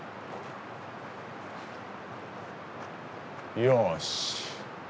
よし！